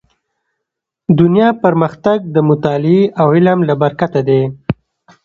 دنیا پرمختګ د مطالعې او علم له برکته دی.